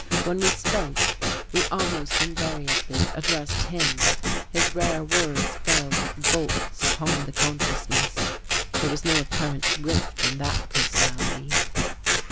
When we spoke, we almost invariably addressed him, his rare words fell like bolts upon the consciousness. There was no apparent rift in that personality.